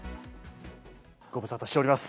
ご無沙汰しております。